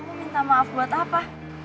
aku minta maaf buat apa